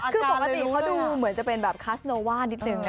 คือปกติเขาดูเหมือนจะเป็นแบบคัสโนว่านิดนึงนะ